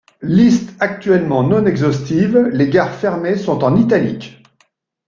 Liste actuellement non exhaustive, les gares fermées sont en italique.